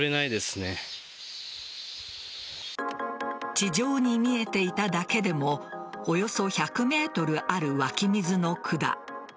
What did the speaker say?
地上に見えていただけでもおよそ１００ｍある湧き水の管。